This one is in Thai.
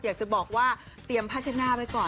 อยากจะบอกว่าเตรียมผ้าเช็ดหน้าไว้ก่อน